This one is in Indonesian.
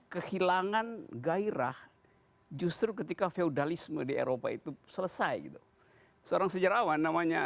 kehilangan gairah justru ketika feudalisme di eropa itu selesai gitu seorang sejarawan namanya